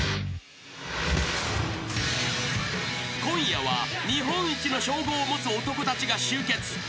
［今夜は日本一の称号を持つ男たちが集結］